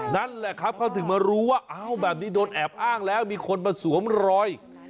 นั่นแหละครับเขาถึงมารู้ว่าอ้าวแบบนี้โดนแอบอ้างแล้วมีคนมาสวมรอย